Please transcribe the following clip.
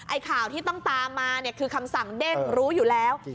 ข่าวที่ต้องตามมาเนี่ยคือคำสั่งเด้งรู้อยู่แล้ว